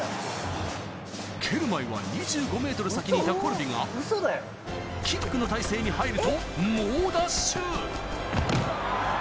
蹴る前は２５ｍ先にいたコルビがキックの体勢に入ると猛ダッシュ！